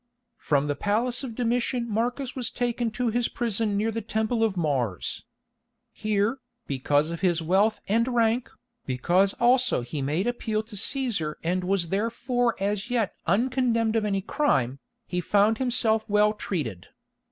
From the palace of Domitian Marcus was taken to his prison near the Temple of Mars. Here, because of his wealth and rank, because also he made appeal to Cæsar and was therefore as yet uncondemned of any crime, he found himself well treated.